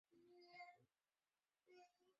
它是全球收入最多的玩具制造商。